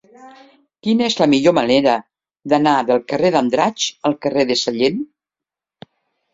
Quina és la millor manera d'anar del carrer d'Andratx al carrer de Sallent?